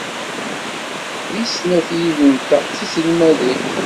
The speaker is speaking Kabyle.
Deg snat yid-nteɣ d tiselmadin.